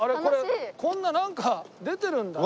こんななんか出てるんだね。